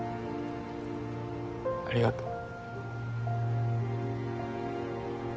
ありがとう。